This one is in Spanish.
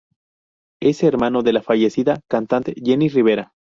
Es hermano de la fallecida cantante Jenni Rivera.